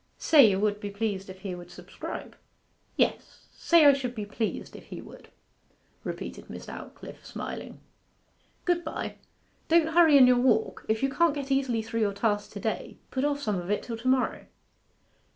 'Say you would be pleased if he would subscribe?' 'Yes say I should be pleased if he would,' repeated Miss Aldclyffe, smiling. 'Good bye. Don't hurry in your walk. If you can't get easily through your task to day put off some of it till to morrow.